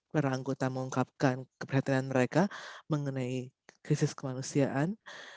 para anggota mengungkapkan keperhatian mereka mengenai krisis kemanusiaan